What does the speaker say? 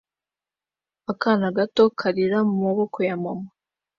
akana gato karira mumaboko ya mama